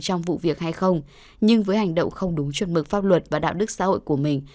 trong vụ việc hay không nhưng với hành động không đúng chuẩn mực pháp luật và đạo đức xã hội của mình